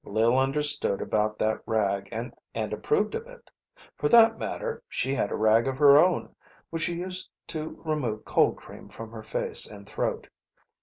Lil understood about that rag, and approved of it. For that matter, she had a rag of her own which she used to remove cold cream from her face and throat.